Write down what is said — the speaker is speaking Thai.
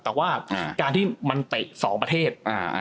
แต่ว่าการที่มันเตะ๒ประเทศ